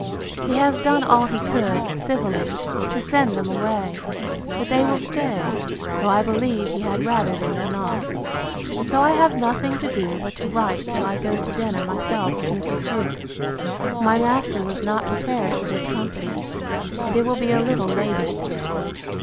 He has done all he could, civilly, to send them away; but they will stay, though I believe he had rather they would not. And so I have nothing to do but to write till I go to dinner myself with Mrs. Jewkes: for my master was not prepared for this company; and it will be a little latish to day.